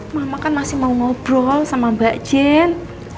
mama kan masih mau ngobrol sama mbak jen